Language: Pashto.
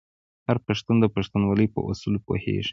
هر پښتون د پښتونولۍ په اصولو پوهیږي.